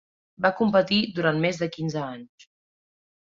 Va competir durant més de quinze anys.